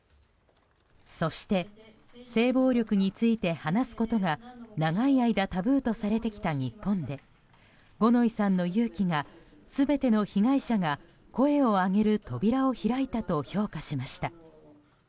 そして性暴力について話すことが長い間タブーとされてきた日本で五ノ井さんの勇気が全ての被害者が声を上げる扉を開いたと評価しました。